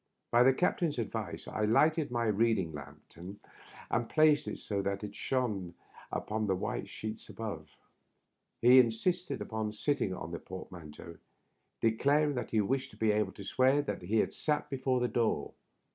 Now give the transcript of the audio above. By the captain's advice I lighted my reading lantern and placed it so that it shone upon the white sheets above. He insisted upon Digitized by VjOOQIC TEE UPPER BERTE. 45 sitting on the portmanteau, declaring that he wished to be able to swear that he had sat before the door.